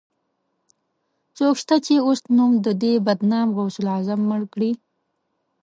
څوک شته، چې اوس نوم د دې بدنام غوث العظم مړ کړي